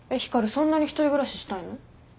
そんなに１人暮らししたいの？